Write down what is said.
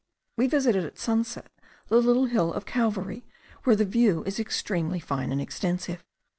We visited at sunset the little hill of Calvary, where the view is extremely fine and extensive.